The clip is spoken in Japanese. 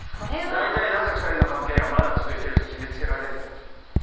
大体なぜ２人の関係がまだ続いてると決めつけられる。